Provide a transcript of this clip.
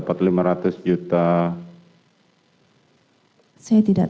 lalu russian dan